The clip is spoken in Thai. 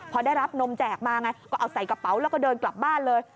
พอได้รับนมแจกมาไงก็เอาใส่กระเป๋าแล้วก็เดินกลับบ้านเลย